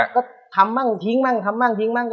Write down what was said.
ก็ทำบ้างทิ้งบ้างทำบ้างทิ้งบ้างก็